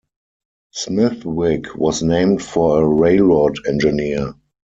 Smithwick was named for a railroad engineer.